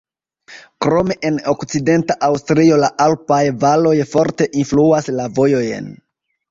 Krome en okcidenta Aŭstrio la alpaj valoj forte influas la vojojn.